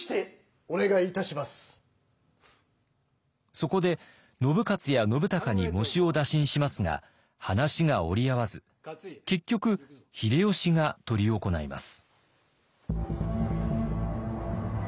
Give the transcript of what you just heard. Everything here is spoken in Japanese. そこで信雄や信孝に喪主を打診しますが話が折り合わず結局秀吉が執り行います。